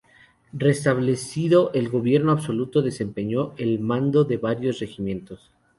Restablecido el Gobierno absoluto, desempeñó el mando de varios regimientos.